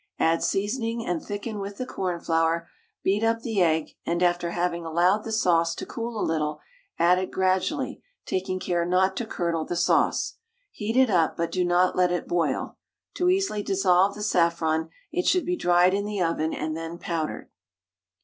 Add seasoning, and thicken with the cornflour; beat up the egg, and after having allowed the sauce to cool a little, add it gradually, taking care not to curdle the sauce. Heat it up, but do not let it boil. To easily dissolve the saffron, it should be dried in the oven and then powdered.